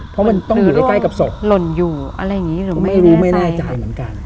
เพราะมันต้องอยู่ใกล้กับศพหรือไม่รู้ไม่แน่ใจเหมือนกัน